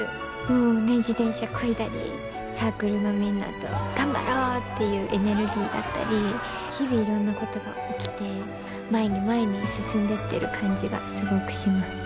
もうね自転車こいだりサークルのみんなと頑張ろうっていうエネルギーだったり日々いろんなことが起きて前に前に進んでってる感じがすごくします。